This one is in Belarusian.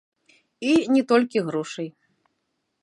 І не толькі грошай.